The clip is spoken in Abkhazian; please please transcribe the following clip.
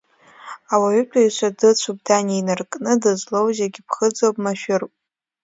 Ауаҩытәыҩса дыцәоуп дани инаркны, дызлоу зегьы ԥхыӡуп, машәыруп.